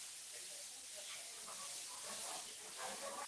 Hai futuro.